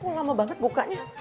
kok lama banget bukanya